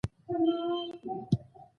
په هوا کې یې وريځې ګرځي.